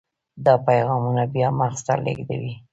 دا پیغامونه بیا مغز ته لیږدوي.